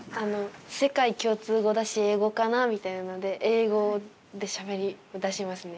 世界共通語だし英語かなみたいなので英語でしゃべりだしますね。